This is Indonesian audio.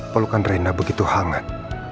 pelukan rena begitu hangat